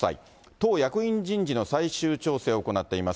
党役員人事の最終調整を行っています。